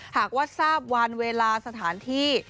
หากว่าทราบวันเวลาสถานที่